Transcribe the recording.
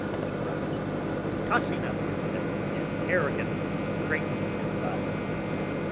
he cried, tossing up his head and arrogantly straightening his body.